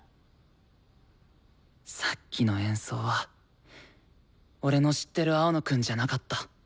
さっきの演奏は俺の知ってる青野くんじゃなかった。